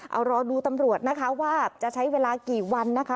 เอารอดูตำรวจนะคะว่าจะใช้เวลากี่วันนะคะ